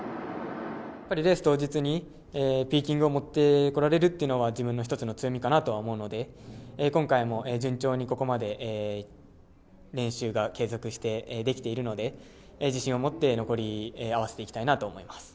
レース当日にピーキングを持ってこれるというのが自分の一つの強みかなとは思うので今回も順調にここまで練習が継続してできているので自信を持って残り合わせていきたいなと思います。